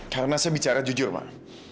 karena saya bicara jujur pak